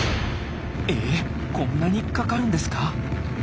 えっこんなにかかるんですか！？